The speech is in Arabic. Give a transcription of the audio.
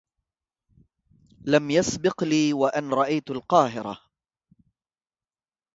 لم يسبق لي و أن رأيت القاهرة.